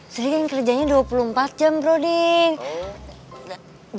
sri kan kerjanya dua puluh empat jam brody